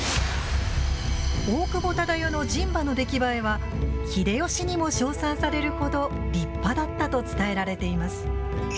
大久保忠世の陣場の出来栄えは秀吉にも賞賛されるほど立派だったと伝えられています。